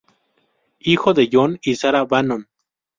Hijo de John y Sara Bannon.